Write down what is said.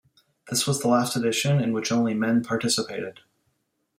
This was the last edition in which only men participated.